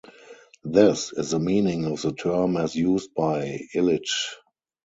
This is the meaning of the term as used by Illich.